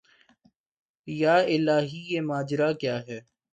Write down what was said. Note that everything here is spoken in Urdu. یا الٰہی یہ ماجرا کیا ہے